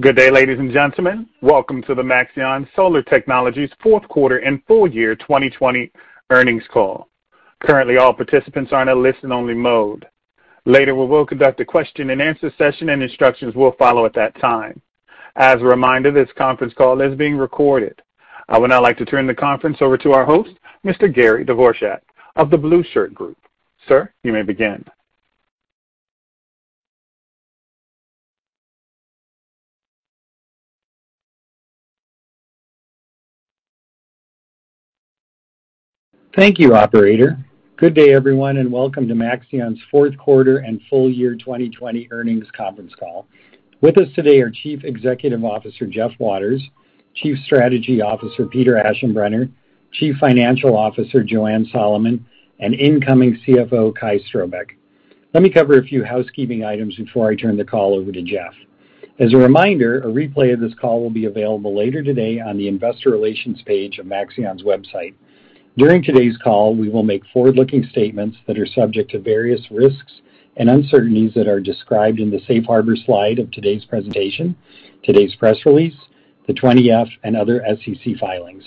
Good day, ladies and gentlemen. Welcome to the Maxeon Solar Technologies fourth quarter and full year 2020 earnings call. Currently, all participants are in a listen-only mode. Later, we will conduct a question-and-answer session, and instructions will follow at that time. As a reminder, this conference call is being recorded. I would now like to turn the conference over to our host, Mr. Gary Dvorchak of The Blueshirt Group. Sir, you may begin. Thank you, operator. Good day, everyone, and welcome to Maxeon's fourth quarter and full year 2020 earnings conference call. With us today are Chief Executive Officer, Jeff Waters, Chief Strategy Officer, Peter Aschenbrenner, Chief Financial Officer, Joanne Solomon, and incoming CFO, Kai Strohbecke. Let me cover a few housekeeping items before I turn the call over to Jeff. As a reminder, a replay of this call will be available later today on the investor relations page of Maxeon's website. During today's call, we will make forward-looking statements that are subject to various risks and uncertainties that are described in the safe harbor slide of today's presentation, today's press release, the 20-F, and other SEC filings.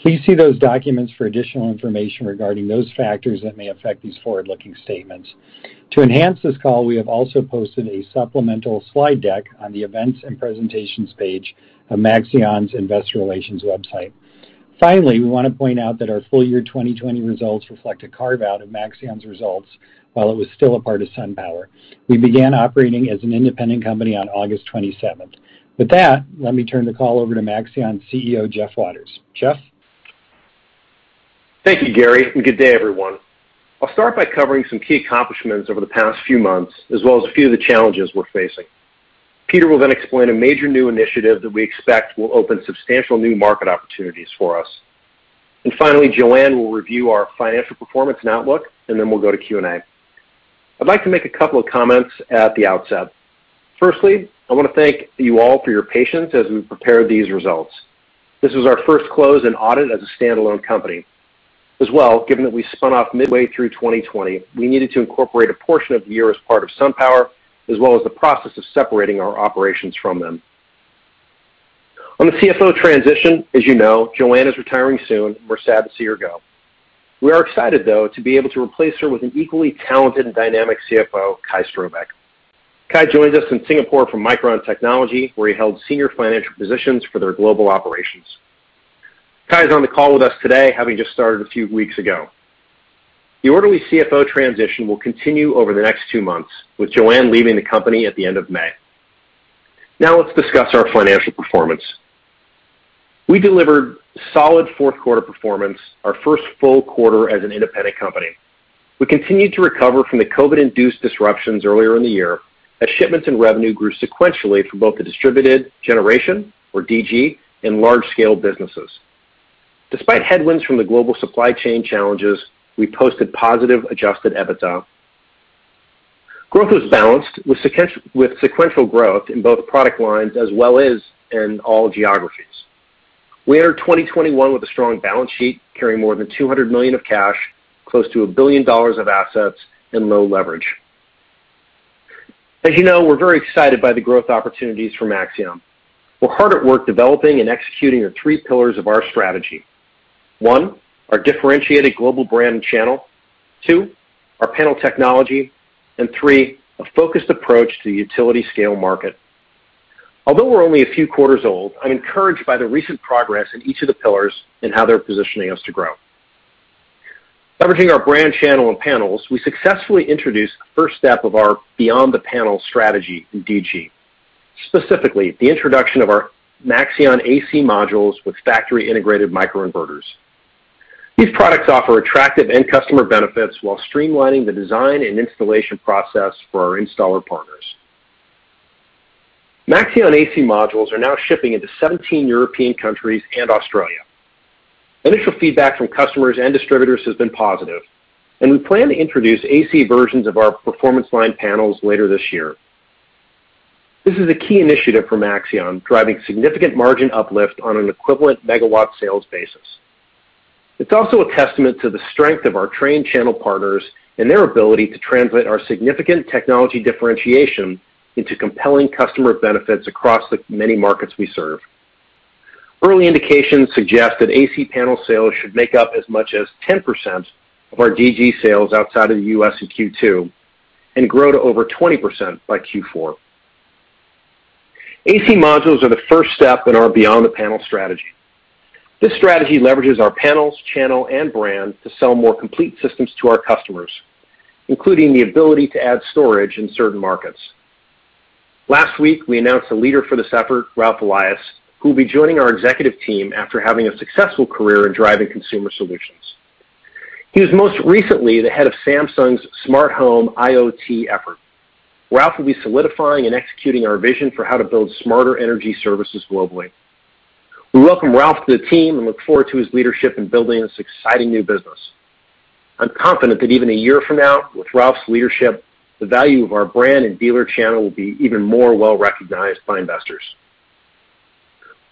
Please see those documents for additional information regarding those factors that may affect these forward-looking statements. To enhance this call, we have also posted a supplemental slide deck on the events and presentations page of Maxeon's investor relations website. Finally, we want to point out that our full year 2020 results reflect a carve-out of Maxeon's results while it was still a part of SunPower. We began operating as an independent company on August 27th. With that, let me turn the call over to Maxeon CEO, Jeff Waters. Jeff? Thank you, Gary, and good day, everyone. I'll start by covering some key accomplishments over the past few months, as well as a few of the challenges we're facing. Peter will then explain a major new initiative that we expect will open substantial new market opportunities for us. Finally, Joanne will review our financial performance and outlook, and then we'll go to Q&A. I'd like to make a couple of comments at the outset. Firstly, I want to thank you all for your patience as we prepared these results. This was our first close and audit as a standalone company. As well, given that we spun off midway through 2020, we needed to incorporate a portion of the year as part of SunPower, as well as the process of separating our operations from them. On the CFO transition, as you know, Joanne is retiring soon, and we're sad to see her go. We are excited, though, to be able to replace her with an equally talented and dynamic CFO, Kai Strohbecke. Kai joins us from Singapore, from Micron Technology, where he held senior financial positions for their global operations. Kai is on the call with us today, having just started a few weeks ago. The orderly CFO transition will continue over the next two months, with Joanne leaving the company at the end of May. Let's discuss our financial performance. We delivered solid fourth quarter performance, our first full quarter as an independent company. We continued to recover from the COVID-induced disruptions earlier in the year, as shipments and revenue grew sequentially for both the distributed generation, or DG, and large-scale businesses. Despite headwinds from the global supply chain challenges, we posted positive adjusted EBITDA. Growth was balanced, with sequential growth in both product lines as well as in all geographies. We enter 2021 with a strong balance sheet, carrying more than $200 million of cash, close to $1 billion of assets, and low leverage. As you know, we're very excited by the growth opportunities for Maxeon. We're hard at work developing and executing the three pillars of our strategy. One, our differentiated global brand and channel, two, our panel technology, and three, a focused approach to the utility scale market. Although we're only a few quarters old, I'm encouraged by the recent progress in each of the pillars and how they're positioning us to grow. Leveraging our brand channel and panels, we successfully introduced the first step of our Beyond the Panel strategy in DG, specifically the introduction of our Maxeon AC modules with factory integrated microinverters. These products offer attractive end customer benefits while streamlining the design and installation process for our installer partners. Maxeon AC modules are now shipping into 17 European countries and Australia. Initial feedback from customers and distributors has been positive. We plan to introduce AC versions of our Performance Line panels later this year. This is a key initiative for Maxeon, driving significant margin uplift on an equivalent megawatt sales basis. It's also a testament to the strength of our trained channel partners and their ability to translate our significant technology differentiation into compelling customer benefits across the many markets we serve. Early indications suggest that AC panel sales should make up as much as 10% of our DG sales outside of the U.S. in Q2 and grow to over 20% by Q4. AC modules are the first step in our Beyond the Panel strategy. This strategy leverages our panels, channel, and brand to sell more complete systems to our customers, including the ability to add storage in certain markets. Last week, we announced a leader for this effort, Ralf Elias, who will be joining our executive team after having a successful career in driving consumer solutions. He was most recently the head of Samsung's Smart Home IoT effort. Ralf will be solidifying and executing our vision for how to build smarter energy services globally. We welcome Ralf to the team and look forward to his leadership in building this exciting new business. I'm confident that even a year from now, with Ralf's leadership, the value of our brand and dealer channel will be even more well-recognized by investors.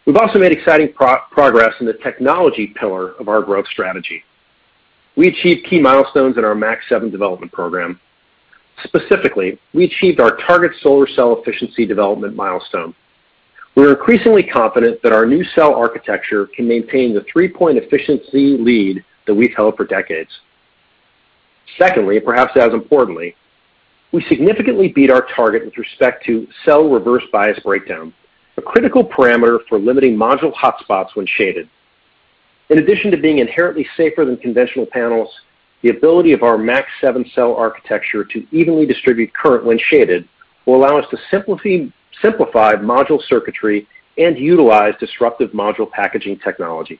We've also made exciting progress in the technology pillar of our growth strategy. We achieved key milestones in our Maxeon 7 development program. Specifically, we achieved our target solar cell efficiency development milestone. We're increasingly confident that our new cell architecture can maintain the three-point efficiency lead that we've held for decades. Second ly, and perhaps as importantly, we significantly beat our target with respect to cell reverse bias breakdown, a critical parameter for limiting module hotspots when shaded. In addition to being inherently safer than conventional panels, the ability of our Maxeon 7 cell architecture to evenly distribute current when shaded will allow us to simplify module circuitry and utilize disruptive module packaging technology.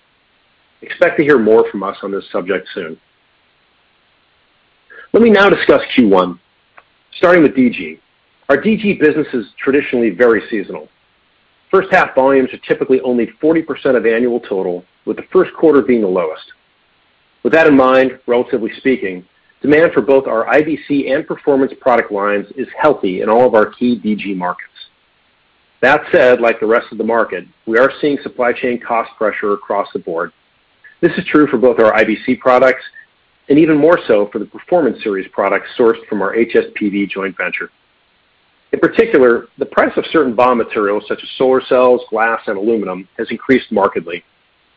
Expect to hear more from us on this subject soon. Let me now discuss Q1. Starting with DG, our DG business is traditionally very seasonal. First-half volumes are typically only 40% of annual total, with the first quarter being the lowest. With that in mind, relatively speaking, demand for both our IBC and Performance Line product lines is healthy in all of our key DG markets. That said, like the rest of the market, we are seeing supply chain cost pressure across the board. This is true for both our IBC products and even more so for the Performance Series products sourced from our HSPV joint venture. In particular, the price of certain BOM materials such as solar cells, glass, and aluminum has increased markedly,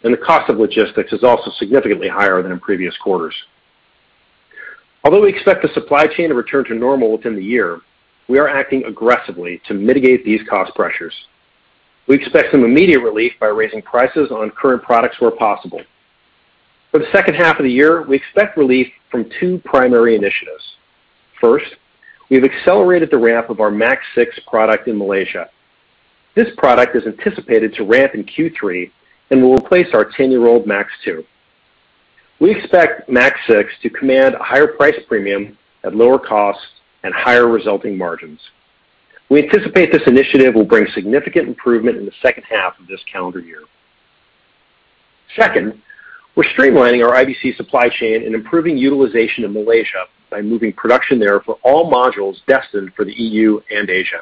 and the cost of logistics is also significantly higher than in previous quarters. Although we expect the supply chain to return to normal within the year, we are acting aggressively to mitigate these cost pressures. We expect some immediate relief by raising prices on current products where possible. For the second half of the year, we expect relief from two primary initiatives. First, we've accelerated the ramp of our Maxeon 6 product in Malaysia. This product is anticipated to ramp in Q3 and will replace our 10-year-old Maxeon 2. We expect Maxeon 6 to command a higher price premium at lower costs and higher resulting margins. We anticipate this initiative will bring significant improvement in the second half of this calendar year. Second, we're streamlining our IBC supply chain and improving utilization in Malaysia by moving production there for all modules destined for the EU and Asia.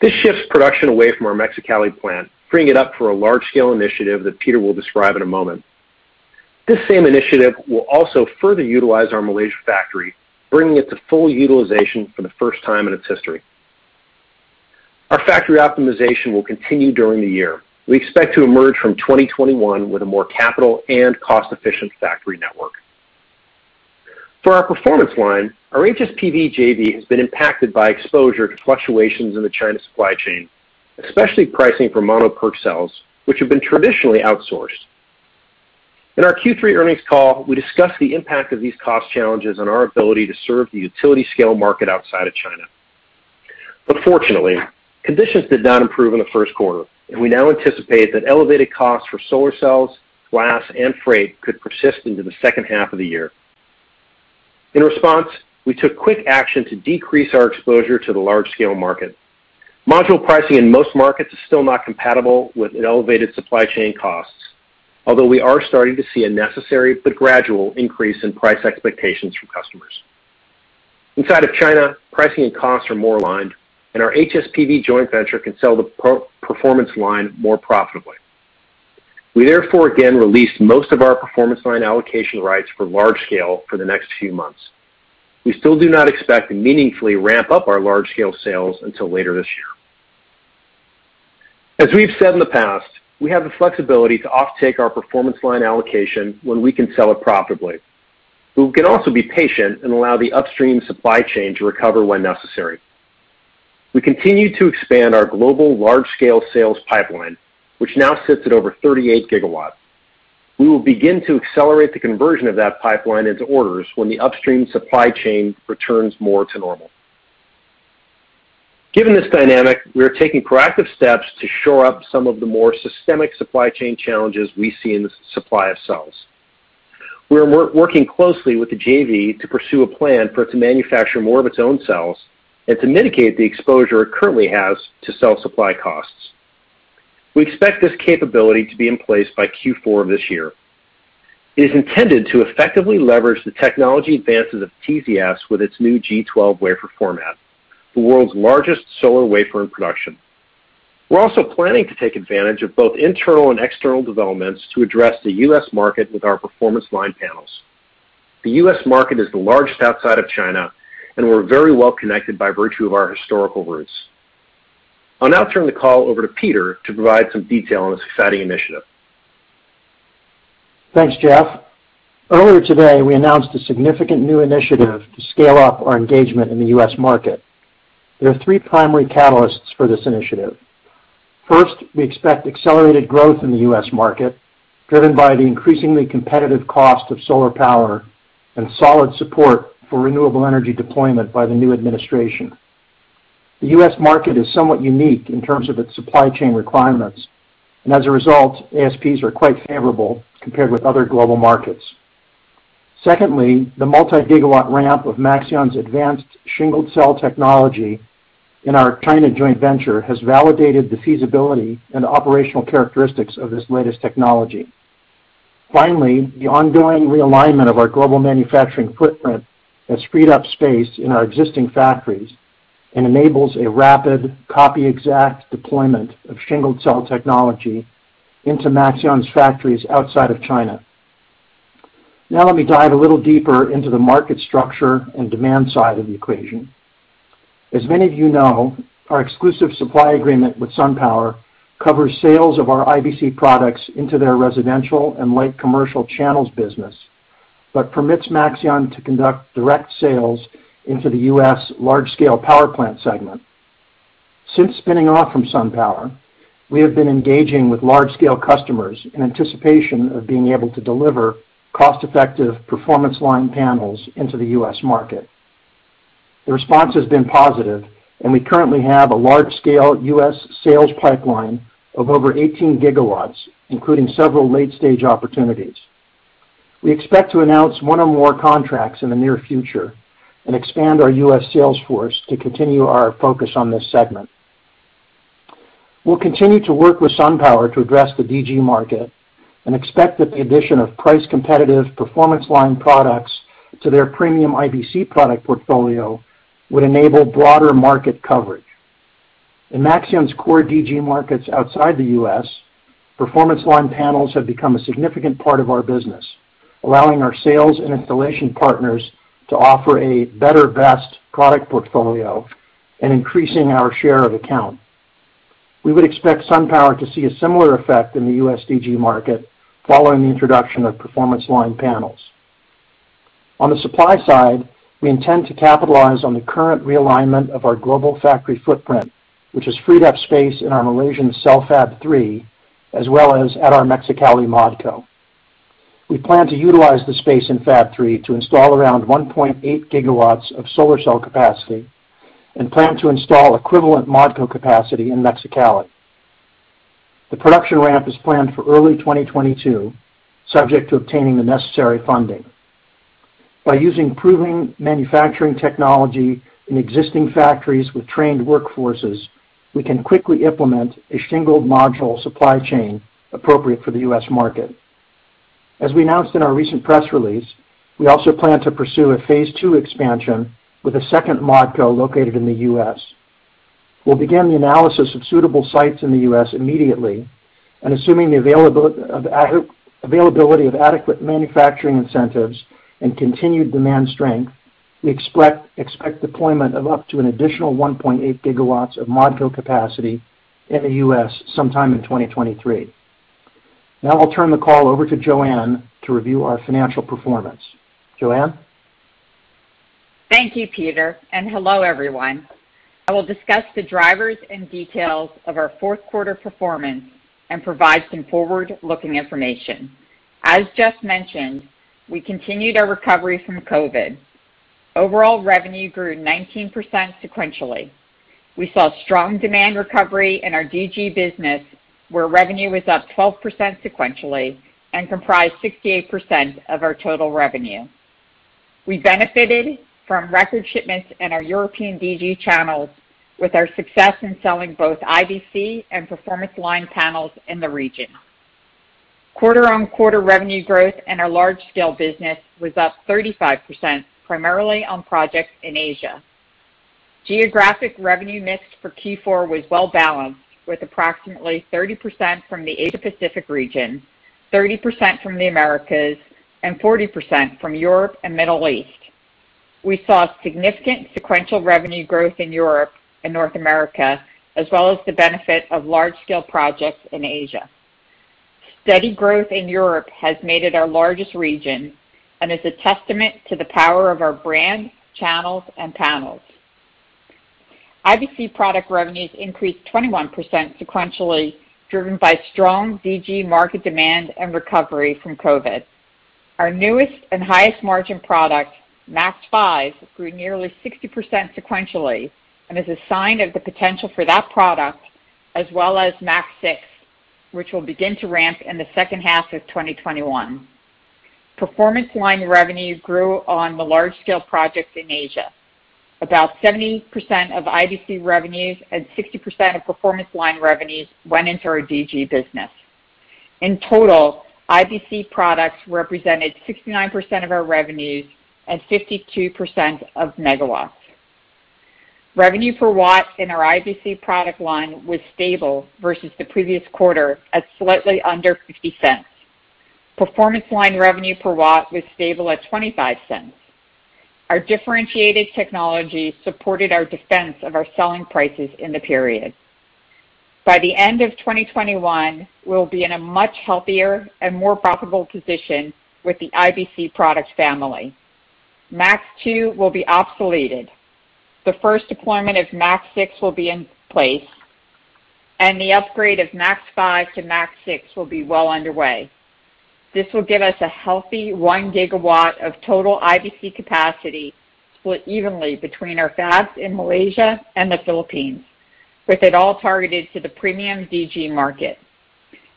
This shifts production away from our Mexicali plant, freeing it up for a large-scale initiative that Peter will describe in a moment. This same initiative will also further utilize our Malaysia factory, bringing it to full utilization for the first time in its history. Our factory optimization will continue during the year. We expect to emerge from 2021 with a more capital and cost-efficient factory network. For our Performance Line, our HSPV JV has been impacted by exposure to fluctuations in the China supply chain, especially pricing for mono-PERC cells, which have been traditionally outsourced. In our Q3 earnings call, we discussed the impact of these cost challenges on our ability to serve the utility-scale market outside of China. Fortunately, conditions did not improve in the first quarter, and we now anticipate that elevated costs for solar cells, glass, and freight could persist into the second half of the year. In response, we took quick action to decrease our exposure to the large-scale market. Module pricing in most markets is still not compatible with elevated supply chain costs, although we are starting to see a necessary but gradual increase in price expectations from customers. Inside of China, pricing and costs are more aligned, and our HSPV joint venture can sell the Performance Line more profitably. We therefore again released most of our Performance Line allocation rights for large scale for the next few months. We still do not expect to meaningfully ramp up our large-scale sales until later this year. As we've said in the past, we have the flexibility to offtake our Performance Line allocation when we can sell it profitably. We can also be patient and allow the upstream supply chain to recover when necessary. We continue to expand our global large-scale sales pipeline, which now sits at over 38 GW. We will begin to accelerate the conversion of that pipeline into orders when the upstream supply chain returns more to normal. Given this dynamic, we are taking proactive steps to shore up some of the more systemic supply chain challenges we see in the supply of cells. We're working closely with the JV to pursue a plan for it to manufacture more of its own cells and to mitigate the exposure it currently has to cell supply costs. We expect this capability to be in place by Q4 of this year. It is intended to effectively leverage the technology advances of TZS with its new G12 wafer format, the world's largest solar wafer in production. We're also planning to take advantage of both internal and external developments to address the U.S. market with our Performance Line panels. The U.S. market is the largest outside of China. We're very well connected by virtue of our historical roots. I'll now turn the call over to Peter to provide some detail on this exciting initiative. Thanks, Jeff. Earlier today, we announced a significant new initiative to scale up our engagement in the U.S. market. There are three primary catalysts for this initiative. First, we expect accelerated growth in the U.S. market, driven by the increasingly competitive cost of solar power and solid support for renewable energy deployment by the new administration. The U.S. market is somewhat unique in terms of its supply chain requirements. As a result, ASPs are quite favorable compared with other global markets. Secondly, the multi-gigawatt ramp of Maxeon's advanced shingled cell technology in our China joint venture has validated the feasibility and operational characteristics of this latest technology. Finally, the ongoing realignment of our global manufacturing footprint has freed up space in our existing factories and enables a rapid copy-exact deployment of shingled cell technology into Maxeon's factories outside of China. Let me dive a little deeper into the market structure and demand side of the equation. As many of you know, our exclusive supply agreement with SunPower covers sales of our IBC products into their residential and light commercial channels business, but permits Maxeon to conduct direct sales into the U.S. large-scale power plant segment. Since spinning off from SunPower, we have been engaging with large-scale customers in anticipation of being able to deliver cost-effective Performance Line panels into the U.S. market. The response has been positive, and we currently have a large-scale U.S. sales pipeline of over 18 GW, including several late-stage opportunities. We expect to announce one or more contracts in the near future and expand our U.S. sales force to continue our focus on this segment. We'll continue to work with SunPower to address the DG market and expect that the addition of price-competitive Performance Line products to their premium IBC product portfolio would enable broader market coverage. In Maxeon's core DG markets outside the U.S., Performance Line panels have become a significant part of our business, allowing our sales and installation partners to offer a better best product portfolio and increasing our share of account. We would expect SunPower to see a similar effect in the U.S. DG market following the introduction of Performance Line panels. On the supply side, we intend to capitalize on the current realignment of our global factory footprint, which has freed up space in our Malaysian cell Fab 3, as well as at our Mexicali ModCo. We plan to utilize the space in Fab 3 to install around 1.8 GW of solar cell capacity and plan to install equivalent ModCo capacity in Mexicali. The production ramp is planned for early 2022, subject to obtaining the necessary funding. By using proven manufacturing technology in existing factories with trained workforces, we can quickly implement a shingled module supply chain appropriate for the U.S. market. As we announced in our recent press release, we also plan to pursue a phase two expansion with a second ModCo located in the U.S. We'll begin the analysis of suitable sites in the U.S. immediately, and assuming the availability of adequate manufacturing incentives and continued demand strength, we expect deployment of up to an additional 1.8 GW of ModCo capacity in the U.S. sometime in 2023. Now I'll turn the call over to Joanne to review our financial performance. Joanne? Thank you, Peter, and hello, everyone. I will discuss the drivers and details of our fourth quarter performance and provide some forward-looking information. As Jeff mentioned, we continued our recovery from COVID. Overall revenue grew 19% sequentially. We saw strong demand recovery in our DG business, where revenue was up 12% sequentially and comprised 68% of our total revenue. We benefited from record shipments in our European DG channels with our success in selling both IBC and Performance Line panels in the region. Quarter-on-quarter revenue growth in our large-scale business was up 35%, primarily on projects in Asia. Geographic revenue mix for Q4 was well-balanced, with approximately 30% from the Asia-Pacific region, 30% from the Americas, and 40% from Europe and Middle East. We saw significant sequential revenue growth in Europe and North America, as well as the benefit of large-scale projects in Asia. Steady growth in Europe has made it our largest region and is a testament to the power of our brand, channels, and panels. IBC product revenues increased 21% sequentially, driven by strong DG market demand and recovery from COVID. Our newest and highest margin product, Maxeon 5, grew nearly 60% sequentially and is a sign of the potential for that product, as well as Maxeon 6, which will begin to ramp in the second half of 2021. Performance Line revenue grew on the large-scale projects in Asia. About 70% of IBC revenues and 60% of Performance Line revenues went into our DG business. In total, IBC products represented 69% of our revenues and 52% of megawatts. Revenue per watt in our IBC product line was stable versus the previous quarter at slightly under $0.50. Performance Line revenue per watt was stable at $0.25. Our differentiated technology supported our defense of our selling prices in the period. By the end of 2021, we'll be in a much healthier and more profitable position with the IBC product family. Maxeon 2 will be obsoleted. The first deployment of Maxeon 6 will be in place, and the upgrade of Maxeon 5 to Maxeon 6 will be well underway. This will give us a healthy 1 gigawatt of total IBC capacity split evenly between our fabs in Malaysia and the Philippines, with it all targeted to the premium DG market.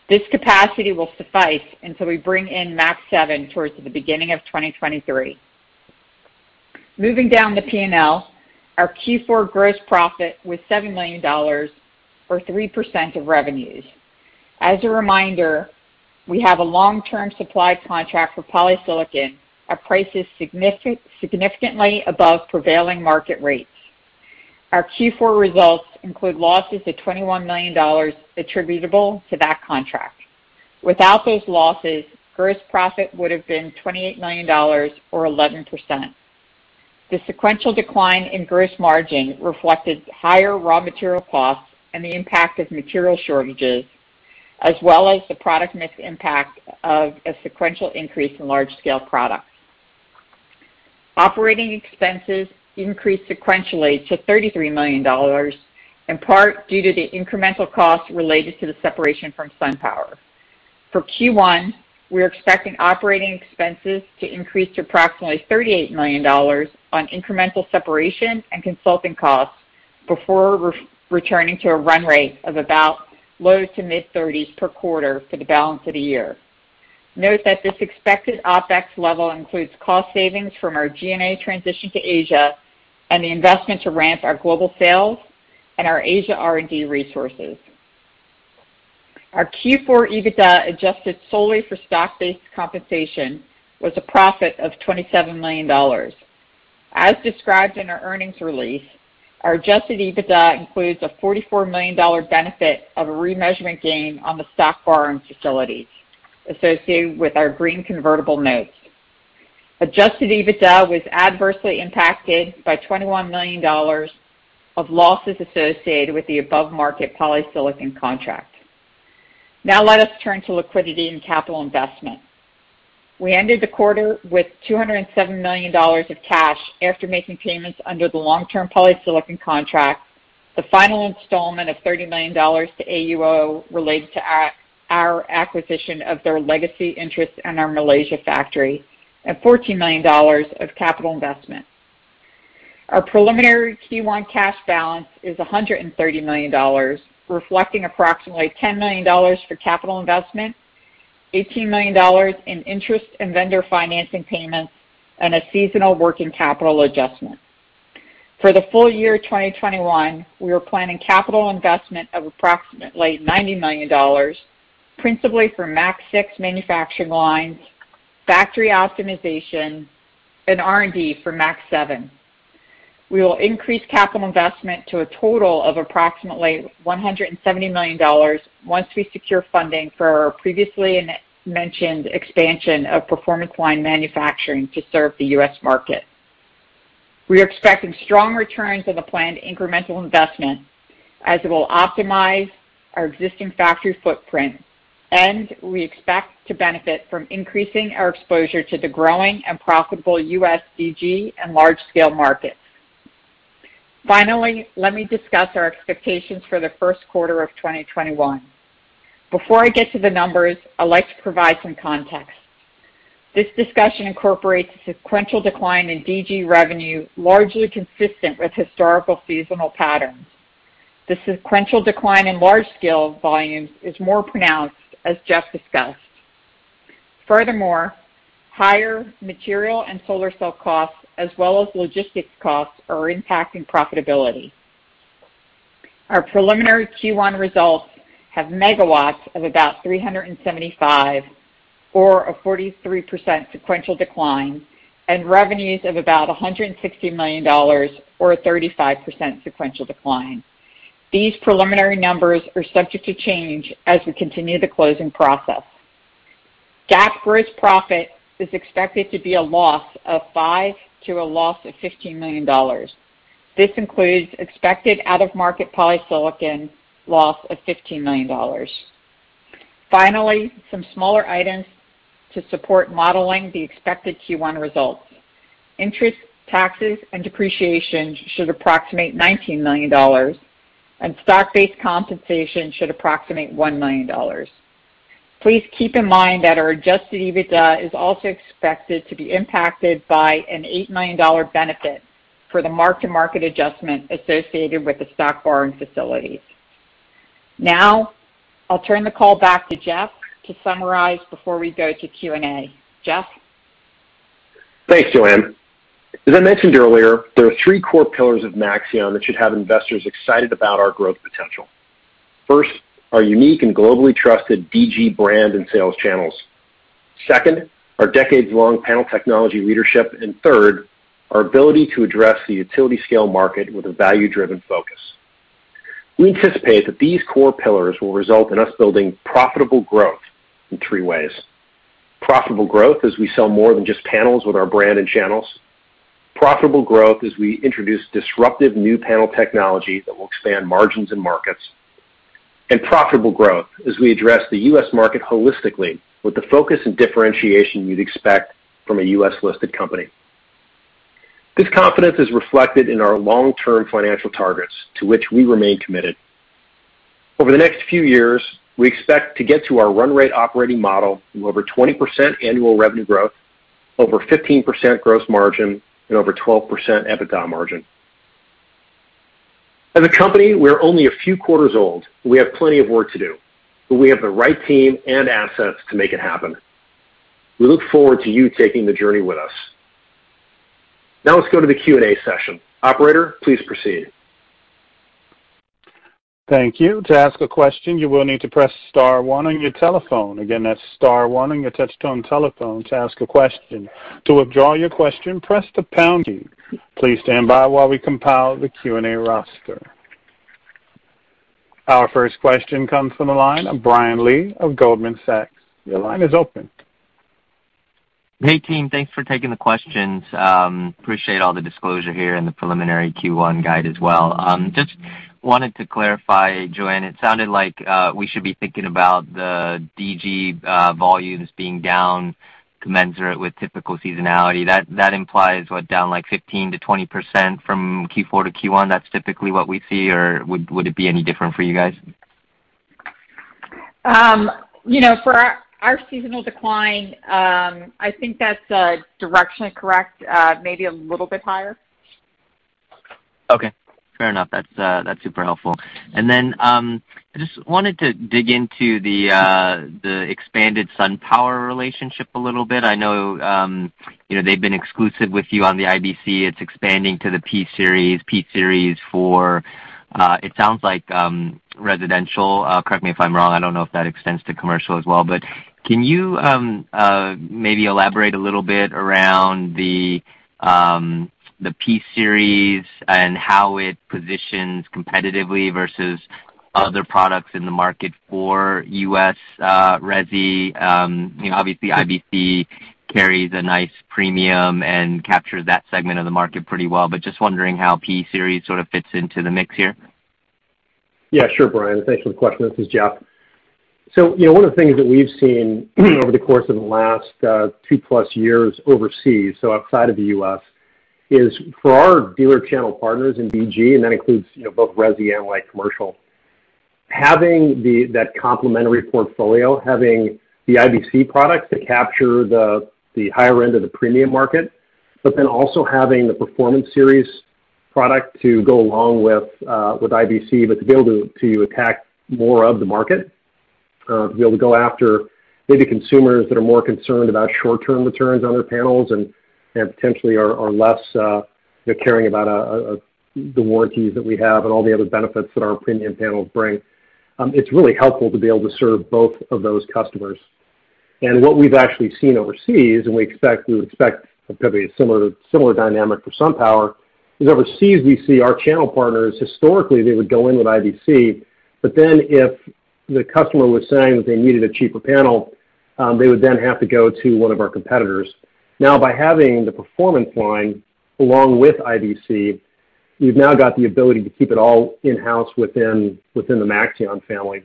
This capacity will suffice until we bring in Maxeon 7 towards the beginning of 2023. Moving down the P&L, our Q4 gross profit was $7 million, or 3% of revenues. As a reminder, we have a long-term supply contract for polysilicon at prices significantly above prevailing market rates. Our Q4 results include losses of $21 million attributable to that contract. Without those losses, gross profit would have been $28 million, or 11%. The sequential decline in gross margin reflected higher raw material costs and the impact of material shortages, as well as the product mix impact of a sequential increase in large-scale products. Operating expenses increased sequentially to $33 million, in part due to the incremental costs related to the separation from SunPower. For Q1, we are expecting operating expenses to increase to approximately $38 million on incremental separation and consulting costs before returning to a run rate of about low to mid 30s per quarter for the balance of the year. Note that this expected OpEx level includes cost savings from our G&A transition to Asia and the investment to ramp our global sales and our Asia R&D resources. Our Q4 EBITDA, adjusted solely for stock-based compensation, was a profit of $27 million. As described in our earnings release, our adjusted EBITDA includes a $44 million benefit of a remeasurement gain on the stock borrowing facilities associated with our green convertible notes. Adjusted EBITDA was adversely impacted by $21 million of losses associated with the above-market polysilicon contract. Let us turn to liquidity and capital investment. We ended the quarter with $207 million of cash after making payments under the long-term polysilicon contract, the final installment of $30 million to AUO related to our acquisition of their legacy interest in our Malaysia factory, and $14 million of capital investment. Our preliminary Q1 cash balance is $130 million, reflecting approximately $10 million for capital investment, $18 million in interest and vendor financing payments, and a seasonal working capital adjustment. For the full year 2021, we are planning capital investment of approximately $90 million, principally for Maxeon 6 manufacturing lines, factory optimization, and R&D for Maxeon 7. We will increase capital investment to a total of approximately $170 million once we secure funding for our previously mentioned expansion of Performance Line manufacturing to serve the U.S. market. We are expecting strong returns on the planned incremental investment as it will optimize our existing factory footprint, we expect to benefit from increasing our exposure to the growing and profitable U.S. DG and large-scale markets. Finally, let me discuss our expectations for the first quarter of 2021. Before I get to the numbers, I'd like to provide some context. This discussion incorporates a sequential decline in DG revenue, largely consistent with historical seasonal patterns. The sequential decline in large-scale volumes is more pronounced, as Jeff discussed. Furthermore, higher material and solar cell costs, as well as logistics costs, are impacting profitability. Our preliminary Q1 results have megawatts of about 375, or a 43% sequential decline, and revenues of about $160 million, or a 35% sequential decline. These preliminary numbers are subject to change as we continue the closing process. GAAP gross profit is expected to be a loss of $5 million to a loss of $15 million. This includes expected out-of-market polysilicon loss of $15 million. Finally, some smaller items to support modeling the expected Q1 results. Interest, taxes, and depreciation should approximate $19 million, and stock-based compensation should approximate $1 million. Please keep in mind that our adjusted EBITDA is also expected to be impacted by an $8 million benefit for the mark-to-market adjustment associated with the stock borrowing facilities. Now, I'll turn the call back to Jeff to summarize before we go to Q&A. Jeff? Thanks, Joanne. As I mentioned earlier, there are three core pillars of Maxeon that should have investors excited about our growth potential. First, our unique and globally trusted DG brand and sales channels. Second, our decades-long panel technology leadership. Third, our ability to address the utility scale market with a value-driven focus. We anticipate that these core pillars will result in us building profitable growth in three ways: profitable growth as we sell more than just panels with our brand and channels, profitable growth as we introduce disruptive new panel technology that will expand margins and markets, and profitable growth as we address the U.S. market holistically with the focus and differentiation you'd expect from a U.S.-listed company. This confidence is reflected in our long-term financial targets, to which we remain committed. Over the next few years, we expect to get to our run rate operating model with over 20% annual revenue growth, over 15% gross margin, and over 12% EBITDA margin. As a company, we're only a few quarters old, and we have plenty of work to do, but we have the right team and assets to make it happen. We look forward to you taking the journey with us. Now let's go to the Q&A session. Operator, please proceed. Thank you. To ask a question you will need to press star, one on your telephone. Again, that's star, one on your touch-tone telephone to ask a question. To withdraw your question, press the pound key. Please stand by while we compile the Q&A roster. Our first question comes from the line of Brian Lee of Goldman Sachs. Your line is open. Hey, team. Thanks for taking the questions. Appreciate all the disclosure here and the preliminary Q1 guide as well. Just wanted to clarify, Joanne, it sounded like we should be thinking about the DG volumes being down commensurate with typical seasonality. That implies what? Down 15%-20% from Q4 to Q1, that's typically what we see, or would it be any different for you guys? For our seasonal decline, I think that's directionally correct, maybe a little bit higher. Okay. Fair enough. That's super helpful. Then, I just wanted to dig into the expanded SunPower relationship a little bit. I know they've been exclusive with you on the IBC. It's expanding to the P-Series, for, it sounds like residential. Correct me if I'm wrong, I don't know if that extends to commercial as well. Can you maybe elaborate a little bit around the P-Series and how it positions competitively versus other products in the market for U.S. resi? Obviously IBC carries a nice premium and captures that segment of the market pretty well, but just wondering how P-Series sort of fits into the mix here. Yeah, sure, Brian. Thanks for the question. This is Jeff. One of the things that we've seen over the course of the last two-plus years overseas, so outside of the U.S., is for our dealer channel partners in DG, and that includes both resi and light commercial, having that complementary portfolio, having the IBC products that capture the higher end of the premium market, but then also having the Performance Series product to go along with IBC, but to be able to attack more of the market, to be able to go after maybe consumers that are more concerned about short-term returns on their panels and potentially are less caring about the warranties that we have and all the other benefits that our premium panels bring. It's really helpful to be able to serve both of those customers. What we've actually seen overseas, and we expect probably a similar dynamic for SunPower, is overseas, we see our channel partners, historically, they would go in with IBC, but then if the customer was saying that they needed a cheaper panel, they would then have to go to one of our competitors. By having the Performance Line along with IBC, we've now got the ability to keep it all in-house within the Maxeon family.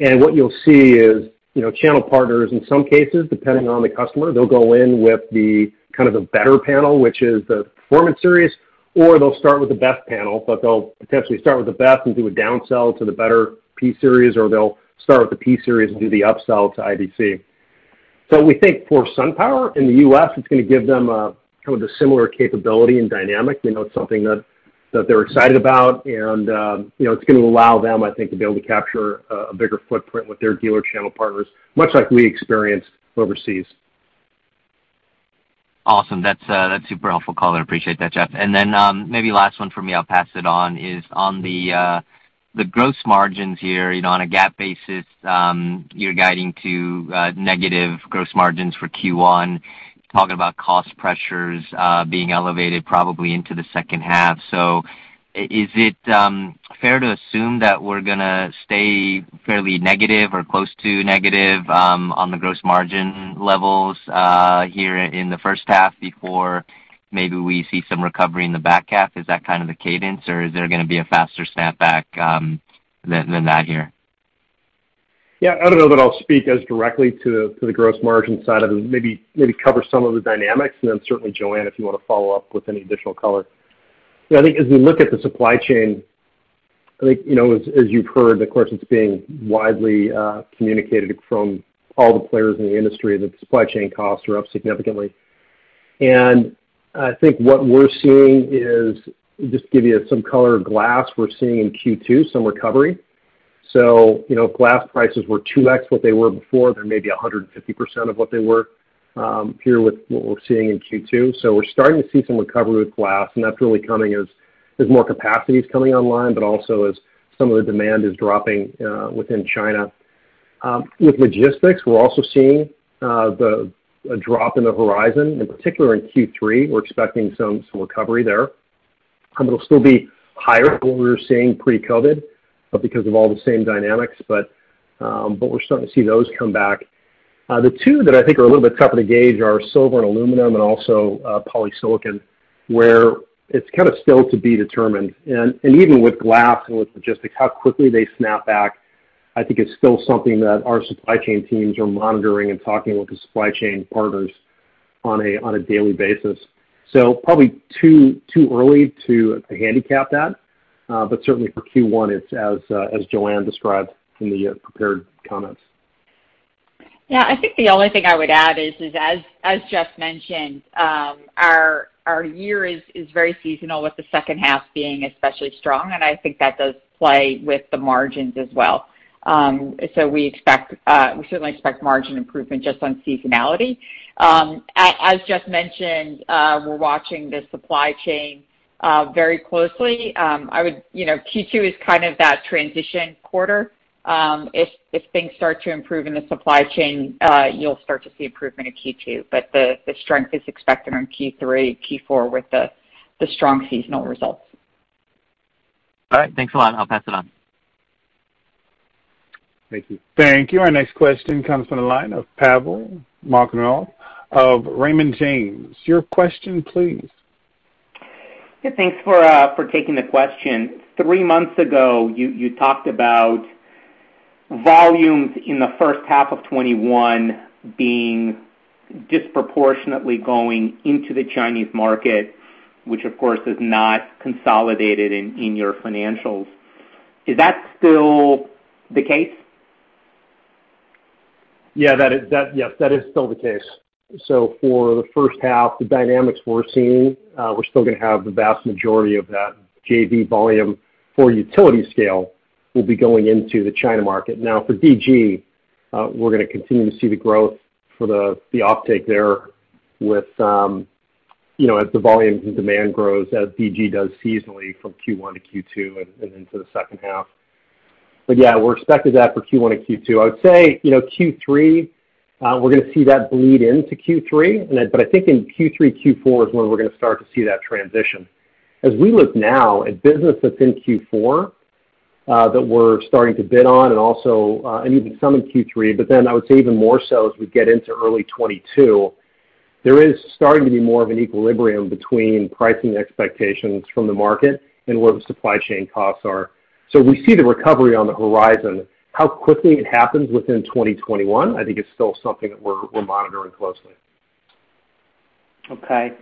What you'll see is channel partners, in some cases, depending on the customer, they'll go in with the better panel, which is the Performance Series, or they'll start with the best panel, but they'll potentially start with the best and do a downsell to the better P-Series, or they'll start with the P-Series and do the upsell to IBC. We think for SunPower in the U.S., it's going to give them a similar capability and dynamic. It's something that they're excited about, and it's going to allow them, I think, to be able to capture a bigger footprint with their dealer channel partners, much like we experienced overseas. Awesome. That's super helpful color. Appreciate that, Jeff. Maybe last one from me, I'll pass it on, is on the gross margins here on a GAAP basis, you're guiding to negative gross margins for Q1, talking about cost pressures being elevated probably into the second half. Is it fair to assume that we're going to stay fairly negative or close to negative on the gross margin levels here in the first half before maybe we see some recovery in the back half? Is that kind of the cadence, or is there going to be a faster snapback than that here? Yeah. I don't know that I'll speak as directly to the gross margin side of it. Maybe cover some of the dynamics, and then certainly, Joanne, if you want to follow up with any additional color. I think as we look at the supply chain, as you've heard, of course, it's being widely communicated from all the players in the industry that supply chain costs are up significantly. I think what we're seeing is, just to give you some color, glass, we're seeing in Q2 some recovery. Glass prices were 2x what they were before. They're maybe 150% of what they were here with what we're seeing in Q2. We're starting to see some recovery with glass, and that's really coming as more capacity is coming online, but also as some of the demand is dropping within China. With logistics, we're also seeing a drop in the horizon. In particular, in Q3, we're expecting some recovery there. It'll still be higher than what we were seeing pre-COVID, because of all the same dynamics. We're starting to see those come back. The two that I think are a little bit tougher to gauge are silver and aluminum and also polysilicon, where it's kind of still to be determined. Even with glass and with logistics, how quickly they snap back, I think is still something that our supply chain teams are monitoring and talking with the supply chain partners on a daily basis. Probably too early to handicap that. Certainly for Q1, it's as Joanne described in the prepared comments. I think the only thing I would add is, as Jeff mentioned, our year is very seasonal with the second half being especially strong, and I think that does play with the margins as well. We certainly expect margin improvement just on seasonality. As Jeff mentioned, we're watching the supply chain very closely. Q2 is kind of that transition quarter. If things start to improve in the supply chain, you'll start to see improvement in Q2, but the strength is expected on Q3, Q4 with the strong seasonal results. All right. Thanks a lot. I'll pass it on. Thank you. Thank you. Our next question comes from the line of Pavel Molchanov of Raymond James. Your question, please. Yeah. Thanks for taking the question. Three months ago, you talked about volumes in the first half of 2021 disproportionately going into the Chinese market, which, of course, is not consolidated in your financials. Is that still the case? Yeah, that is still the case. For the first half, the dynamics we're seeing, we're still going to have the vast majority of that JV volume for utility scale will be going into the China market. For DG, we're going to continue to see the growth for the offtake there as the volume and demand grows, as DG does seasonally from Q1 to Q2 and into the second half. Yeah, we're expecting that for Q1 and Q2. I would say Q3, we're going to see that bleed into Q3. I think in Q3, Q4 is when we're going to start to see that transition. As we look now at business that's in Q4 that we're starting to bid on and even some in Q3, but then I would say even more so as we get into early 2022, there is starting to be more of an equilibrium between pricing expectations from the market and where the supply chain costs are. We see the recovery on the horizon. How quickly it happens within 2021, I think is still something that we're monitoring closely. Okay.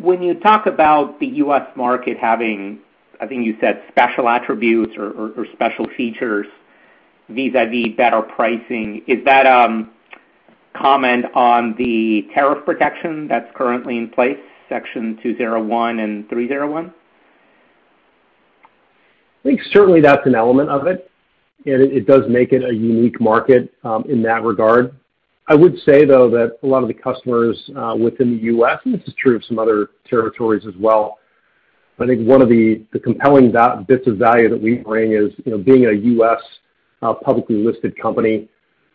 When you talk about the U.S. market having, I think you said special attributes or special features vis-a-vis better pricing, is that comment on the tariff protection that's currently in place, Section 201 and 301? I think certainly that's an element of it, and it does make it a unique market in that regard. I would say, though, that a lot of the customers within the U.S., and this is true of some other territories as well, I think one of the compelling bits of value that we bring is being a U.S. publicly listed company,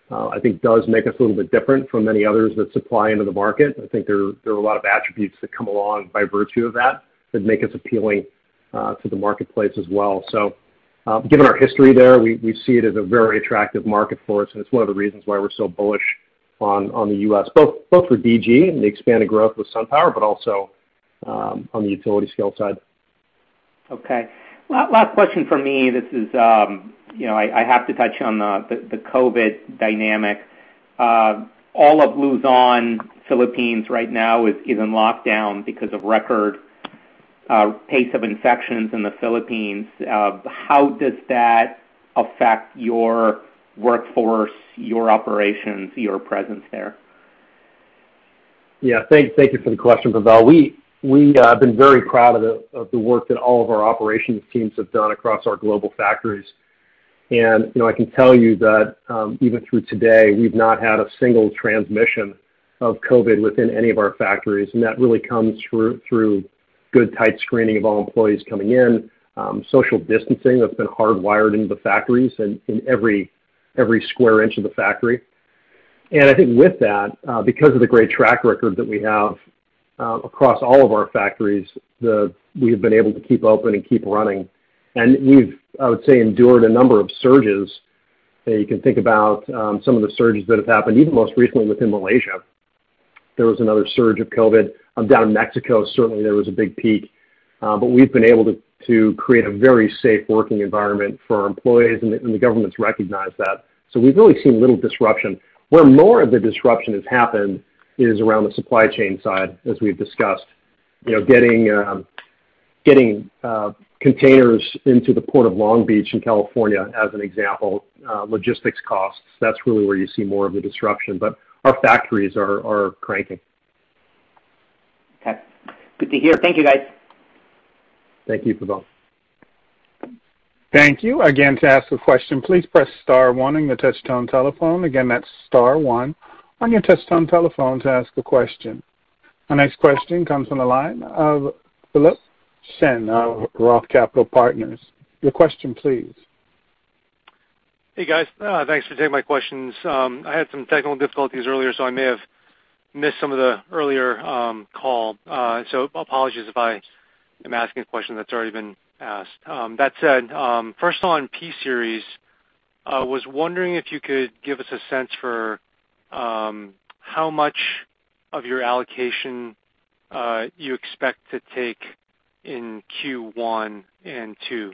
I think does make us a little bit different from many others that supply into the market. I think there are a lot of attributes that come along by virtue of that make us appealing to the marketplace as well. Given our history there, we see it as a very attractive market for us, and it's one of the reasons why we're so bullish on the U.S., both for DG and the expanded growth with SunPower, but also on the utility scale side. Last question from me. I have to touch on the COVID dynamic. All of Luzon, Philippines right now is in lockdown because of record pace of infections in the Philippines. How does that affect your workforce, your operations, your presence there? Yeah. Thank you for the question, Pavel. We have been very proud of the work that all of our operations teams have done across our global factories. I can tell you that even through today, we've not had a single transmission of COVID within any of our factories, and that really comes through good tight screening of all employees coming in, social distancing that's been hardwired into the factories and in every square inch of the factory. I think with that, because of the great track record that we have across all of our factories, we have been able to keep open and keep running. We've, I would say, endured a number of surges. You can think about some of the surges that have happened, even most recently within Malaysia. There was another surge of COVID down in Mexico. Certainly, there was a big peak. We've been able to create a very safe working environment for our employees, and the governments recognize that. We've really seen little disruption. Where more of the disruption has happened is around the supply chain side, as we've discussed. Getting containers into the Port of Long Beach in California, as an example, logistics costs. That's really where you see more of the disruption. Our factories are cranking. Okay. Good to hear. Thank you, guys. Thank you, Pavel. Thank you. Again, to ask a question, please press star one on your touch tone telephone. Again, that's star one on your touch tone telephone to ask a question. Our next question comes from the line of Philip Shen of Roth Capital Partners. Your question, please. Hey, guys. Thanks for taking my questions. I had some technical difficulties earlier. I may have missed some of the earlier call. Apologies if I am asking a question that's already been asked. That said, first of all, on P-Series, I was wondering if you could give us a sense for how much of your allocation you expect to take in Q1 and Q2,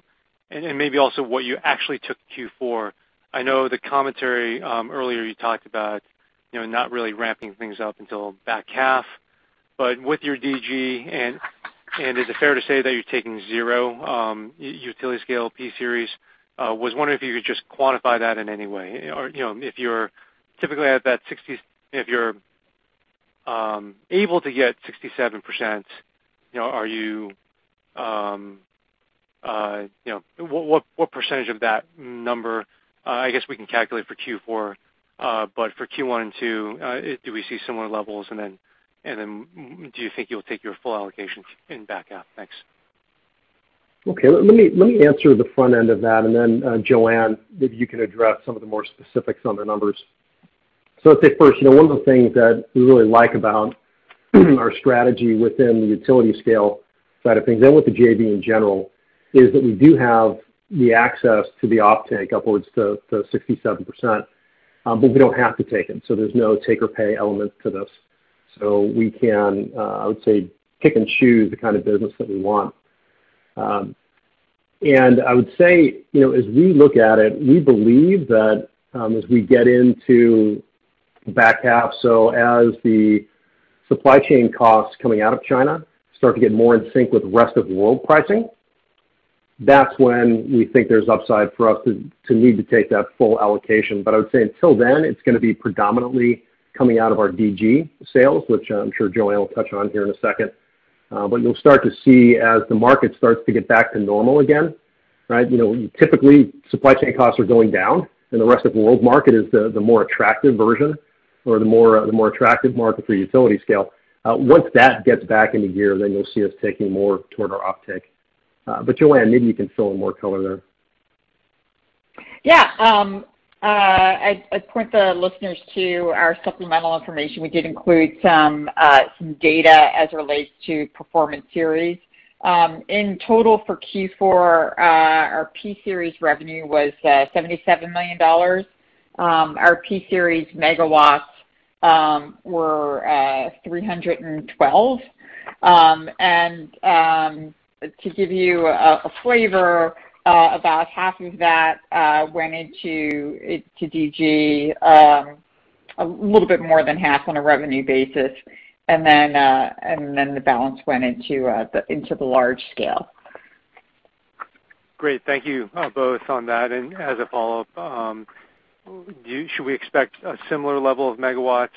and maybe also what you actually took Q4. I know the commentary earlier you talked about not really ramping things up until back half. With your DG, is it fair to say that you're taking zero utility scale P-Series? Was wondering if you could just quantify that in any way, or if you're typically at that 67%, what percentage of that number, I guess, we can calculate for Q4, but for Q1 and Q2, do we see similar levels? Then, do you think you'll take your full allocation in back half? Thanks. Okay. Let me answer the front end of that, and then, Joanne, maybe you can address some of the more specifics on the numbers. Let's say first, one of the things that we really like about our strategy within the utility scale side of things and with the JV in general, is that we do have the access to the offtake upwards to 67%, but we don't have to take them, so there's no take or pay element to this. We can, I would say, pick and choose the kind of business that we want. I would say, as we look at it, we believe that as we get into the back half, so as the supply chain costs coming out of China start to get more in sync with rest of world pricing, that's when we think there's upside for us to need to take that full allocation. I would say until then, it's going to be predominantly coming out of our DG sales, which I'm sure Joanne will touch on here in a second. You'll start to see as the market starts to get back to normal again, right? Typically, supply chain costs are going down and the rest of the world market is the more attractive version or the more attractive market for utility scale. Once that gets back into gear, then you'll see us taking more toward our offtake. Joanne, maybe you can fill in more color there. I'd point the listeners to our supplemental information. We did include some data as it relates to Performance Series. In total for Q4, our P-Series revenue was $77 million. Our P-Series megawatts were 312. To give you a flavor, about half of that went into DG, a little bit more than half on a revenue basis. The balance went into the large scale. Great. Thank you both on that. As a follow-up, should we expect a similar level of megawatts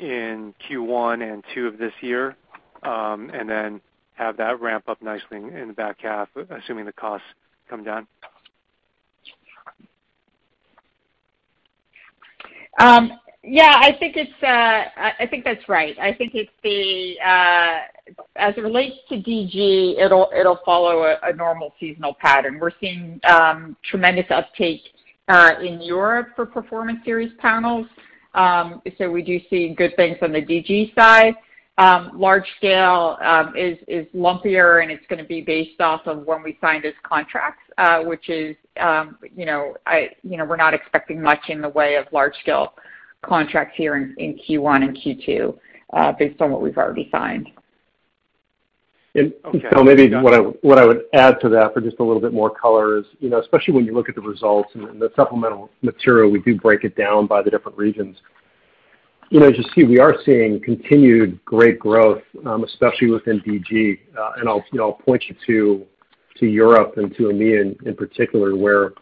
in Q1 and two of this year, and then have that ramp up nicely in the back half, assuming the costs come down? Yeah, I think that's right. I think as it relates to DG, it'll follow a normal seasonal pattern. We're seeing tremendous uptake in Europe for Performance Series panels. We do see good things on the DG side. Large scale is lumpier, and it's going to be based off of when we signed these contracts, which is we're not expecting much in the way of large scale contracts here in Q1 and Q2 based on what we've already signed. Maybe what I would add to that for just a little bit more color is, especially when you look at the results and the supplemental material, we do break it down by the different regions. As you see, we are seeing continued great growth, especially within DG. I'll point you to Europe and to EMEA in particular, where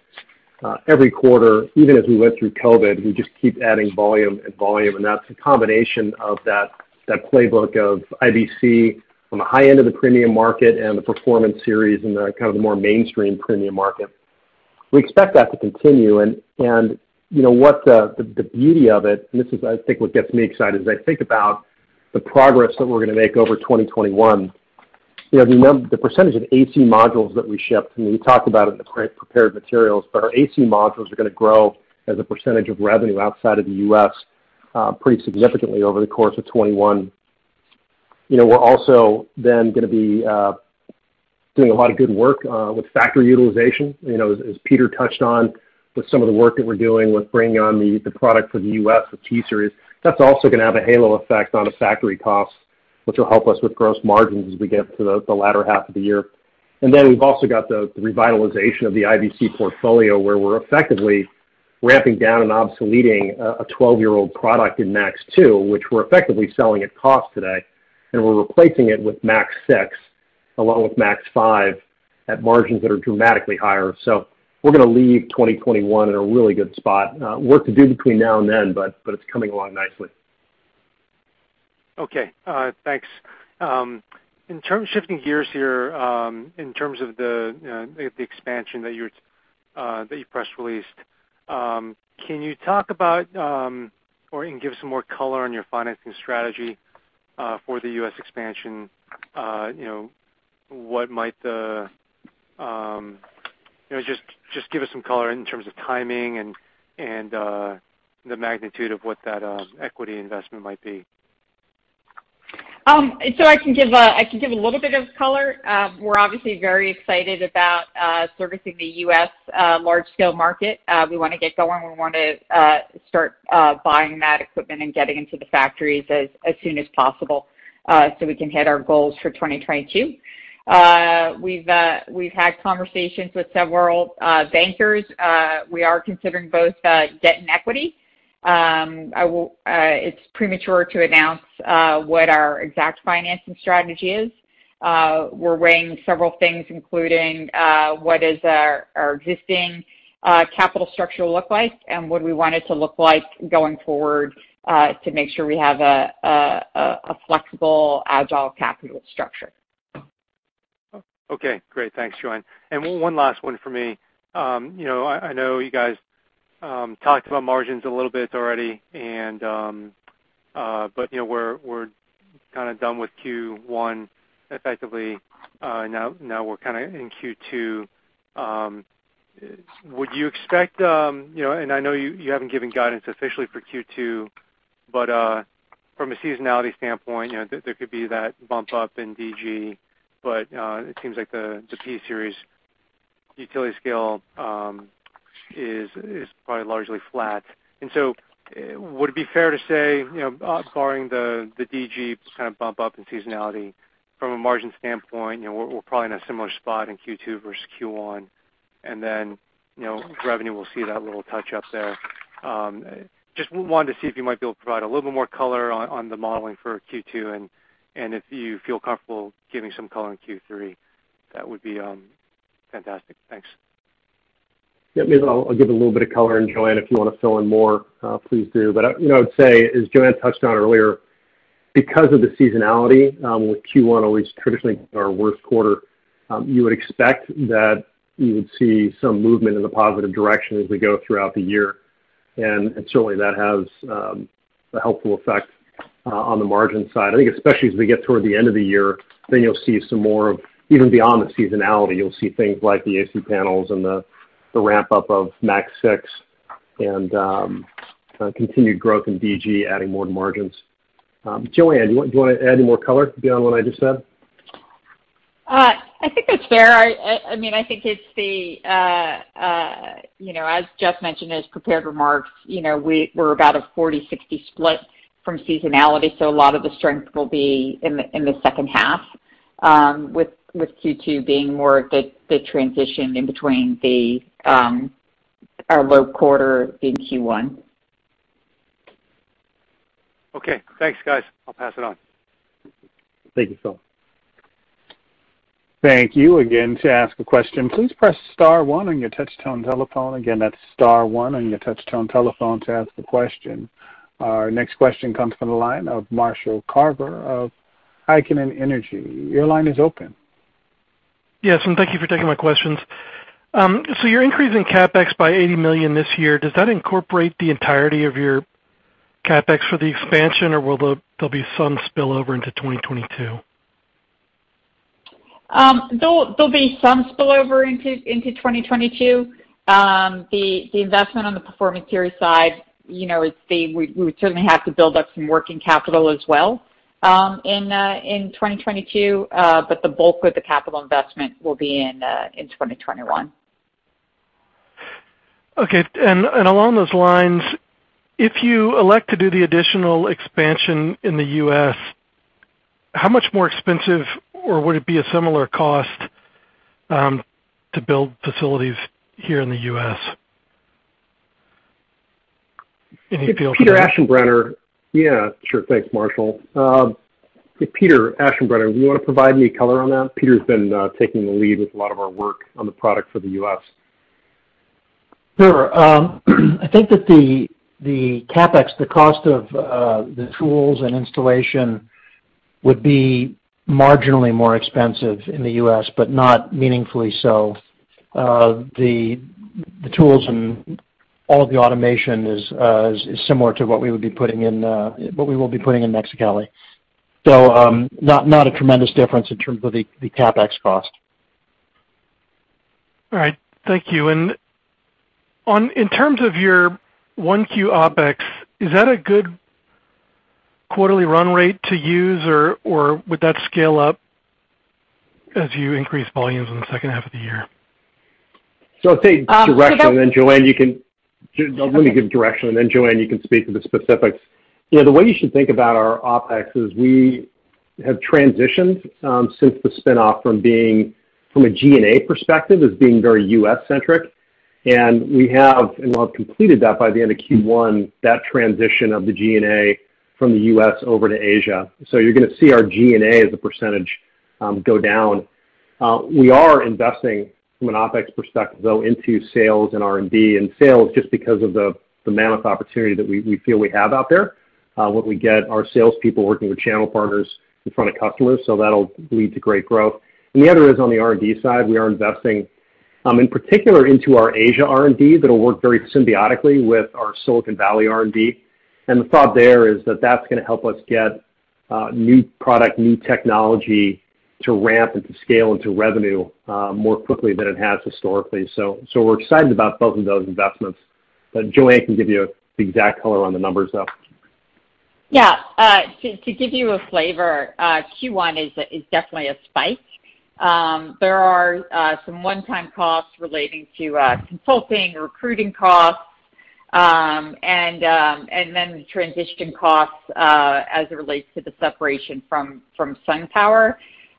every quarter, even as we went through COVID, we just keep adding volume and volume, and that's a combination of that playbook of IBC from the high end of the premium market and the Performance Series and the kind of more mainstream premium market. We expect that to continue, and what the beauty of it, and this is, I think, what gets me excited as I think about the progress that we're going to make over 2021. The percentage of AC modules that we ship, we talk about it in the prepared materials, our AC modules are going to grow as a percentage of revenue outside of the U.S. pretty significantly over the course of 2021. We're also going to be doing a lot of good work with factory utilization. As Peter touched on with some of the work that we're doing with bringing on the product for the U.S., the P-Series, that's also going to have a halo effect on the factory costs, which will help us with gross margins as we get to the latter half of the year. We've also got the revitalization of the IBC portfolio, where we're effectively ramping down and obsoleting a 12-year-old product in Maxeon 2, which we're effectively selling at cost today, and we're replacing it with Maxeon 6, along with Maxeon 5 at margins that are dramatically higher. We're going to leave 2021 in a really good spot. Work to do between now and then, it's coming along nicely. Okay. Thanks. Shifting gears here, in terms of the expansion that you press released, can you talk about or you can give some more color on your financing strategy for the U.S. expansion? Just give us some color in terms of timing and the magnitude of what that equity investment might be. I can give a little bit of color. We're obviously very excited about servicing the U.S. large scale market. We want to get going. We want to start buying that equipment and getting into the factories as soon as possible, so we can hit our goals for 2022. We've had conversations with several bankers. We are considering both debt and equity. It's premature to announce what our exact financing strategy is. We're weighing several things, including what does our existing capital structure look like and what we want it to look like going forward, to make sure we have a flexible, agile capital structure. Okay, great. Thanks, Joanne. One last one for me. I know you guys talked about margins a little bit already, we're kind of done with Q1 effectively. We're kind of in Q2. Would you expect, I know you haven't given guidance officially for Q2, from a seasonality standpoint, there could be that bump up in DG, it seems like the P-Series utility scale is probably largely flat. Would it be fair to say, barring the DG kind of bump up in seasonality from a margin standpoint, we're probably in a similar spot in Q2 versus Q1, revenue will see that little touch-up there. Just wanted to see if you might be able to provide a little bit more color on the modeling for Q2, if you feel comfortable giving some color on Q3, that would be fantastic. Thanks. Yeah, maybe I'll give a little bit of color, and Joanne, if you want to fill in more, please do. I would say, as Joanne touched on earlier, because of the seasonality with Q1 always traditionally our worst quarter, you would expect that you would see some movement in the positive direction as we go throughout the year. Certainly that has a helpful effect on the margin side. I think especially as we get toward the end of the year, you'll see some more of, even beyond the seasonality, you'll see things like the AC panels and the ramp-up of Maxeon 6 and continued growth in DG adding more to margins. Joanne, do you want to add any more color beyond what I just said? I think that's fair. I think as Jeff mentioned in his prepared remarks, we're about a 40-60 split from seasonality. A lot of the strength will be in the second half, with Q2 being more of the transition in between our low quarter in Q1. Okay, thanks guys. I'll pass it on. Thank you, Phil. Thank you. Again, to ask a question, please press star one on your touch-tone telephone. Again, that's star one on your touch-tone telephone to ask a question. Our next question comes from the line of Marshall Carver of Heikkinen Energy. Your line is open. Yes, thank you for taking my questions. You're increasing CapEx by $80 million this year. Does that incorporate the entirety of your CapEx for the expansion, or will there be some spillover into 2022? There'll be some spillover into 2022. The investment on the Performance Series side, we certainly have to build up some working capital as well in 2022. The bulk of the capital investment will be in 2021. Okay. Along those lines, if you elect to do the additional expansion in the U.S., how much more expensive, or would it be a similar cost to build facilities here in the U.S.? Any feel for that? Peter Aschenbrenner. Yeah, sure. Thanks, Marshall. Peter Aschenbrenner, do you want to provide any color on that? Peter's been taking the lead with a lot of our work on the product for the U.S. Sure. I think that the CapEx, the cost of the tools and installation would be marginally more expensive in the U.S., but not meaningfully so. The tools and all of the automation is similar to what we will be putting in Mexicali. Not a tremendous difference in terms of the CapEx cost. All right, thank you. In terms of your 1Q OpEx, is that a good quarterly run rate to use, or would that scale up as you increase volumes in the second half of the year? I'll state direction and then Joanne, you can speak to the specifics. The way you should think about our OpEx is we have transitioned, since the spinoff from being, from a G&A perspective, as being very U.S.-centric. We have now completed that by the end of Q1, that transition of the G&A from the U.S. over to Asia. You're going to see our G&A as a percentage go down. We are investing from an OpEx perspective, though, into sales and R&D. Sales, just because of the mammoth opportunity that we feel we have out there, what we get are salespeople working with channel partners in front of customers, so that'll lead to great growth. The other is on the R&D side. We are investing in particular into our Asia R&D that'll work very symbiotically with our Silicon Valley R&D. The thought there is that's going to help us get new product, new technology to ramp and to scale into revenue more quickly than it has historically. We're excited about both of those investments. Joanne can give you the exact color on the numbers, though. Yeah. To give you a flavor, Q1 is definitely a spike. There are some one-time costs relating to consulting, recruiting costs, and then the transition costs as it relates to the separation from SunPower.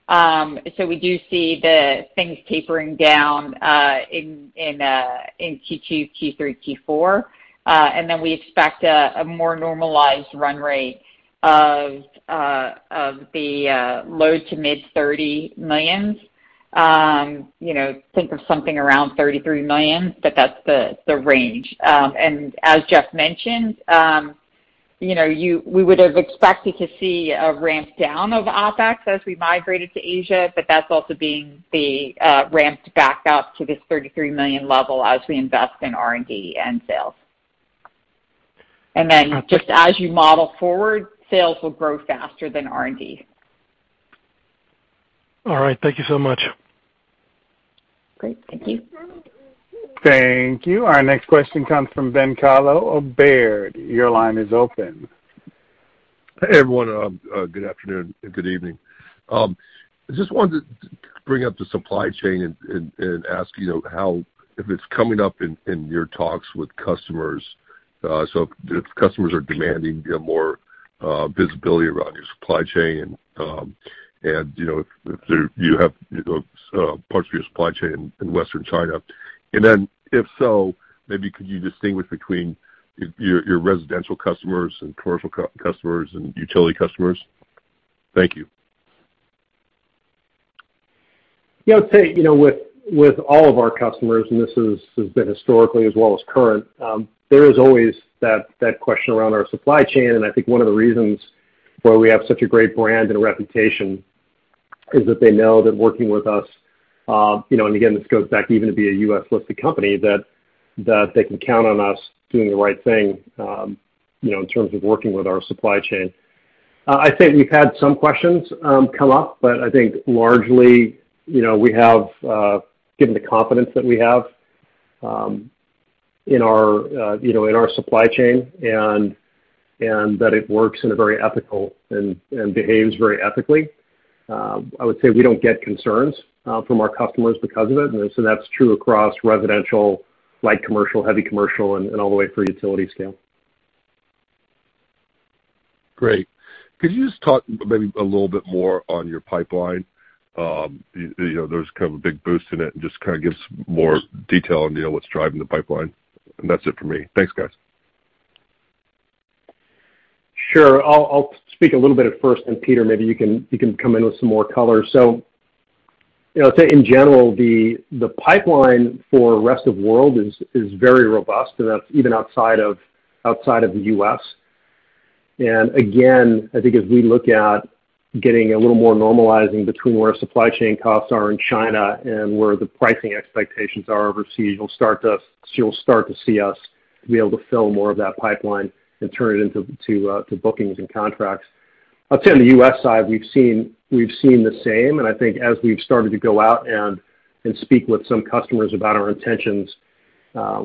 We do see the things tapering down in Q2, Q3, Q4. We expect a more normalized run rate of the low to mid $30 millions. Think of something around $33 million, but that's the range. As Jeff mentioned, we would have expected to see a ramp down of OpEx as we migrated to Asia, but that's also being the ramped back up to this $33 million level as we invest in R&D and sales. Just as you model forward, sales will grow faster than R&D. All right. Thank you so much. Great. Thank you. Thank you. Our next question comes from Ben Kallo of Baird. Your line is open. Hey, everyone. Good afternoon and good evening. I just wanted to bring up the supply chain and ask if it's coming up in your talks with customers. If customers are demanding more visibility around your supply chain, and if you have parts of your supply chain in western China. If so, maybe could you distinguish between your residential customers and commercial customers and utility customers? Thank you. I would say, with all of our customers, and this has been historically as well as current, there is always that question around our supply chain, and I think one of the reasons why we have such a great brand and a reputation is that they know that working with us, and again, this goes back even to be a U.S.-listed company, that they can count on us doing the right thing in terms of working with our supply chain. I'd say we've had some questions come up, but I think largely, given the confidence that we have in our supply chain and that it works in a very ethical and behaves very ethically, I would say we don't get concerns from our customers because of it, and so that's true across residential, light commercial, heavy commercial, and all the way through utility scale. Great. Could you just talk maybe a little bit more on your pipeline? There's a big boost in it, and just give more detail on what's driving the pipeline. That's it for me. Thanks, guys. Sure. I'll speak a little bit at first, then Peter, maybe you can come in with some more color. I'll tell you, in general, the pipeline for rest-of-world is very robust, and that's even outside of the U.S. Again, I think as we look at getting a little more normalizing between where our supply chain costs are in China and where the pricing expectations are overseas, you'll start to see us be able to fill more of that pipeline and turn it into bookings and contracts. I'll tell you, on the U.S. side, we've seen the same. I think as we've started to go out and speak with some customers about our intentions,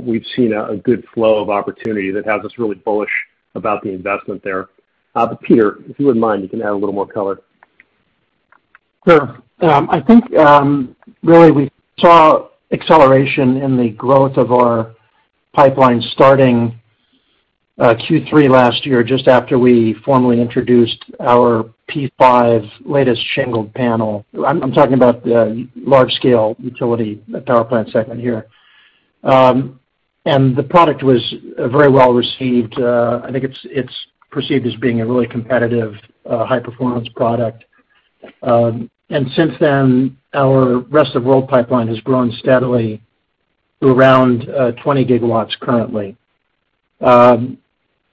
we've seen a good flow of opportunity that has us really bullish about the investment there. Peter, if you wouldn't mind, you can add a little more color. Sure. I think really we saw acceleration in the growth of our pipeline starting Q3 last year, just after we formally introduced our P5 latest shingled panel. I'm talking about the large-scale utility power plant segment here. The product was very well received. I think it's perceived as being a really competitive high-performance product. Since then, our rest-of-world pipeline has grown steadily to around 20 GW currently.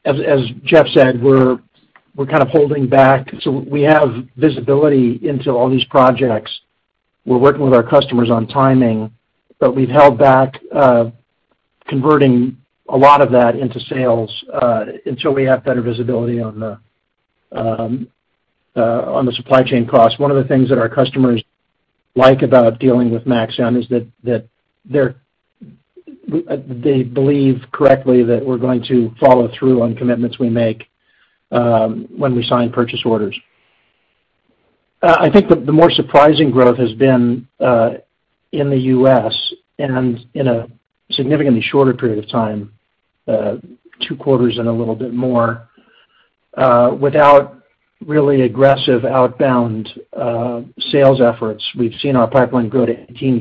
As Jeff said, we're kind of holding back. We have visibility into all these projects. We're working with our customers on timing, but we've held back converting a lot of that into sales until we have better visibility on the supply chain costs. One of the things that our customers like about dealing with Maxeon is that they believe correctly that we're going to follow through on commitments we make when we sign purchase orders. I think the more surprising growth has been in the U.S. and in a significantly shorter period of time, two quarters and a little bit more, without really aggressive outbound sales efforts, we've seen our pipeline grow to 18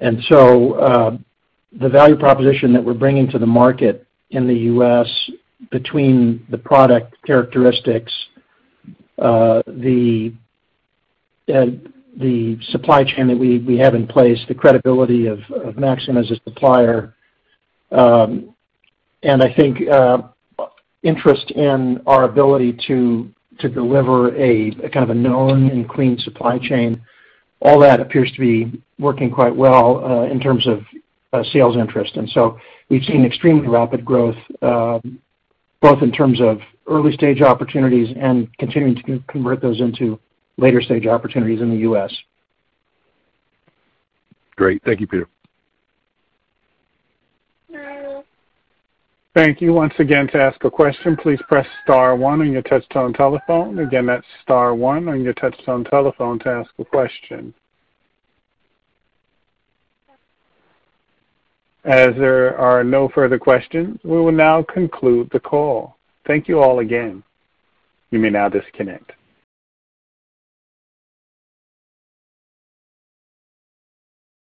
GW. The value proposition that we're bringing to the market in the U.S. between the product characteristics, the supply chain that we have in place, the credibility of Maxeon as a supplier, and I think interest in our ability to deliver a kind of a known and clean supply chain, all that appears to be working quite well in terms of sales interest. We've seen extremely rapid growth, both in terms of early-stage opportunities and continuing to convert those into later-stage opportunities in the U.S. Great. Thank you, Peter. Thank you. Once again, to ask a question please press star one on your touch-tone telephone. Again, that's star one on your touch-tone telephone to ask a question. As there are no further questions, we will now conclude the call. Thank you all again. You may now disconnect.